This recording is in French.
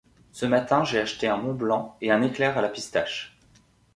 Ce matin, j'ai acheté un Mont-Blanc et un éclair à la pistache.